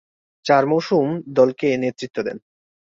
চার মৌসুম দলকে নেতৃত্ব দেন।